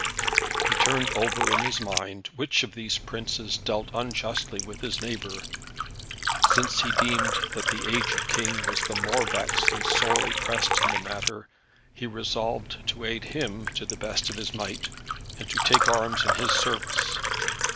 He turned over in his mind which of these princes dealt unjustly with his neighbour. Since he deemed that the agèd king was the more vexed and sorely pressed in the matter, he resolved to aid him to the best of his might, and to take arms in his service.